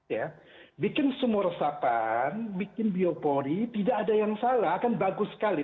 ya bikin sumur resapan bikin biopori tidak ada yang salah akan bagus sekali